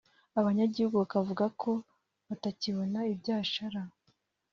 abanyagihugu bakavuga ko batakibona ibyashara